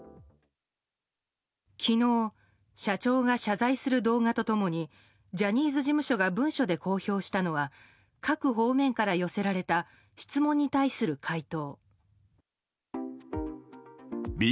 昨日、社長が謝罪する動画と共にジャニーズ事務所が文書で公表したのは各方面から寄せられた質問に対する回答。